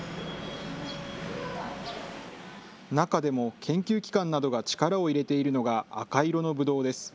中でも、研究機関などが力を入れているのが赤色のブドウです。